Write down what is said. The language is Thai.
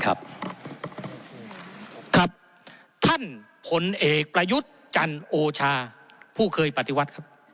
ครับครับท่านผลเอกประยุทธ์จันโอชาผู้เคยปฏิวัติครับ